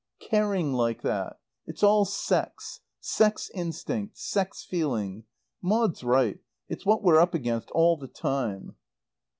"Caring like that. It's all sex. Sex instinct, sex feeling. Maud's right. It's what we're up against all the time."